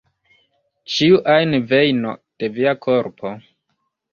Ĉiu ajn vejno de via korpo".